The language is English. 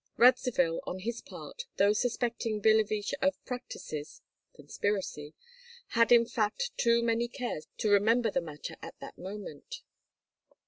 Radzivill, on his part, though suspecting Billevich of "practices" (conspiracy), had in fact too many cares to remember the matter at that moment.